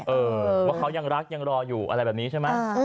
เออว่าเขายังรักยังรออยู่อะไรแบบนี้ใช่ไหม